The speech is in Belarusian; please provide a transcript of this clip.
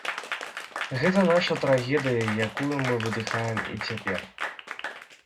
Гэта наша трагедыя, якую мы выдыхаем і цяпер.